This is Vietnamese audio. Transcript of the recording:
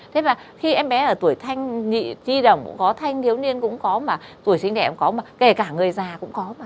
thế mà khi em bé ở tuổi thanh thi đồng cũng có thanh thiếu niên cũng có mà tuổi sinh đẻ cũng có mà kể cả người già cũng có mà